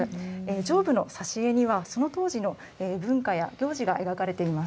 上部の挿絵にはその当時の文化や行事が描かれています。